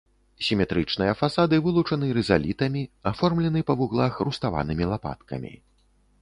Сіметрычныя фасады вылучаны рызалітамі, аформлены па вуглах руставанымі лапаткамі.